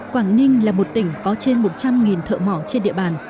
quảng ninh là một tỉnh có trên một trăm linh thợ mỏ trên địa bàn